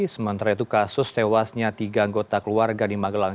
sementara itu kasus tewasnya tiga anggota keluarga di magelang